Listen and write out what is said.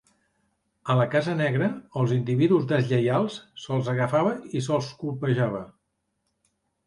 A la "casa negra" els individus deslleials se'ls agafava i se'ls colpejava.